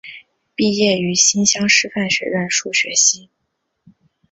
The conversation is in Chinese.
毕业于新乡师范学院数学系。